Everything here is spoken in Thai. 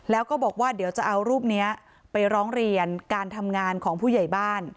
แล้วก็บอกว่าเดี๋ยวจะเอารูปนี้ไปร้องเรียนการทำงานของผู้ใหญ่บ้าน